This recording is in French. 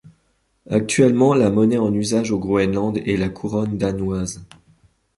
Actuellement, la monnaie en usage au Groenland est la couronne danoise.